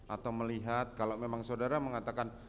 atau melihat kalau memang saudara mengatakan